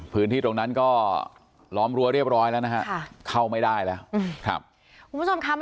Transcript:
พื้นที่ตรงนั้นก็ล้อมรั้วเรียบร้อยแล้วนะครับเข้าไม่ได้แล้ว